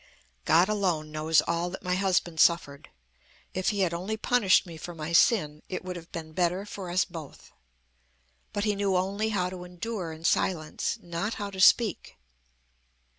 "God alone knows all that my husband suffered. If he had only punished me for my sin, it would have been better for us both. But he knew only how to endure in silence, not how to speak.